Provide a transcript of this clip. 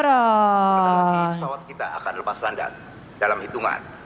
pertama lagi pesawat kita akan lepas landas dalam hitungan lima